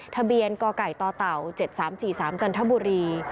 ทะเบียนกไก่ต่อเต่า๗๓๔๓จันทบุรี